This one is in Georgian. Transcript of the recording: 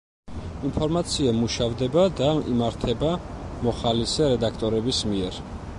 ინფორმაცია მუშავდება და იმართება მოხალისე რედაქტორების მიერ.